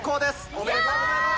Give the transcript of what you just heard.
おめでとうございます。